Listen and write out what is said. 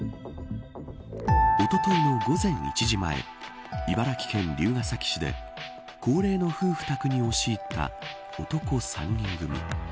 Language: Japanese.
おとといの午前１時前茨城県龍ケ崎市で高齢の夫婦宅に押し入った男３人組。